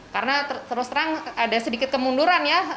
karena terus terang ada sedikit kemunduran ya